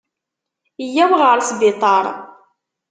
Yya-w ɣer sbiṭar.